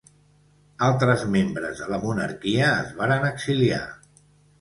Altres membres de la monarquia es varen exiliar.